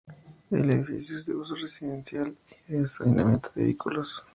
El edificio es de uso residencial, y de estacionamiento de vehículos.